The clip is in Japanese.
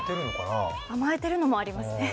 甘えてるのもありますね。